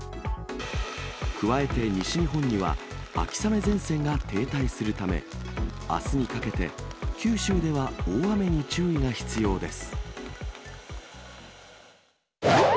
加えて西日本には秋雨前線が停滞するため、あすにかけて九州では大雨に注意が必要です。